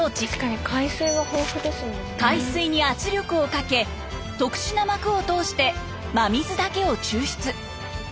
海水に圧力をかけ特殊な膜を通して真水だけを抽出。